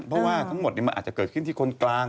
เพราะว่าทั้งหมดมันอาจจะเกิดขึ้นที่คนกลาง